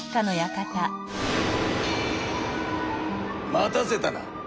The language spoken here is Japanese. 待たせたな！